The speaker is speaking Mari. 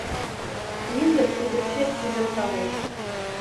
Мӱндыр кӱдырчет кӱдырталеш -